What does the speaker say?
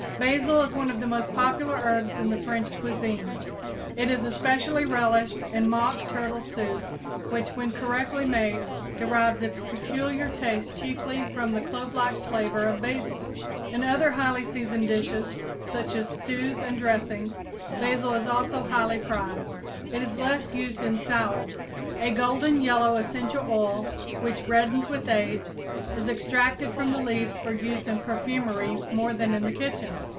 _ Basil is one of the most popular herbs in the French cuisine. It is especially relished in mock turtle soup, which, when correctly made, derives its peculiar taste chiefly from the clovelike flavor of basil. In other highly seasoned dishes, such as stews and dressings, basil is also highly prized. It is less used in salads. A golden yellow essential oil, which reddens with age, is extracted from the leaves for uses in perfumery more than in the kitchen.